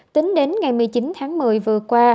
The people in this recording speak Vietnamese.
tính đến ngày một mươi chín tháng một mươi vừa qua